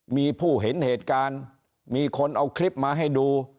มีผู้เห็นเหตุการณ์มีคนเอาคลิปมาให้ดู